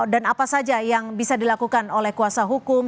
dan apa saja yang bisa dilakukan oleh kuasa hukum